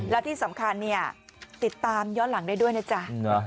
และที่สำคัญเนี่ยติดตามย้อนหลังได้ด้วยนะจ๊ะ